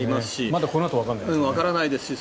まだこのあとわからないですしね。